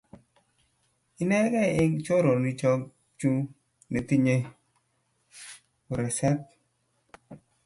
inegei eng chorondoikchu netinyei kurset